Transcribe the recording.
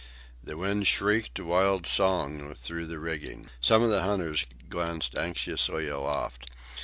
The wind shrieked a wild song through the rigging. Some of the hunters glanced anxiously aloft.